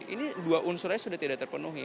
ini dua unsurnya sudah tidak terpenuhi